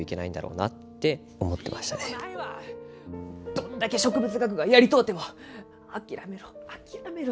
どんだけ植物学がやりとうても「諦めろ諦めろ」